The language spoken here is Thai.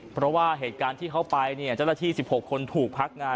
เพราะว่าเหตุการณ์ที่เขาไปเนี่ยเจ้าหน้าที่๑๖คนถูกพักงาน